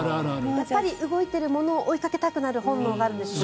動いているものを追いかけたくなる本能があるんでしょうね。